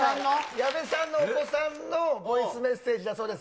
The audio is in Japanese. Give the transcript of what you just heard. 矢部さんのお子さんのボイスメッセージだそうです。